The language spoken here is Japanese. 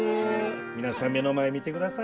皆さん目の前見てください。